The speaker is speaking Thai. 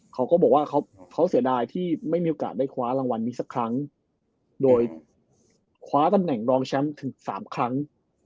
เขาก็บอกว่าเขาเสียดายที่ไม่มีโอกาสได้คว้ารางวัลนี้สักครั้งโดยคว้าตำแหน่งรองแชมป์ถึง๓ครั้ง